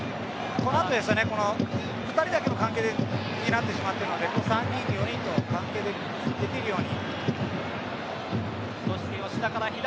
今は２人だけの関係になってしまっているので３人、４人で関係できるように。